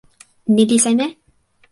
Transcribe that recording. ni li seme?